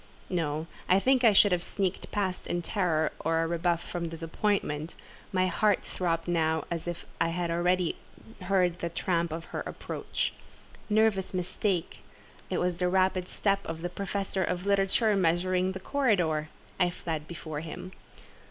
No; I think I should have sneaked past in terror of a rebuff from Disappointment: my heart throbbed now as if I already heard the tramp of her approach. Nervous mistake! It was the rapid step of the Professor of Literature measuring the corridor. I fled before him.